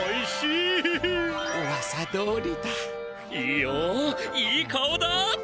いいよいい顔だ！